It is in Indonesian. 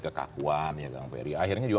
kekakuan ya kang ferry akhirnya juga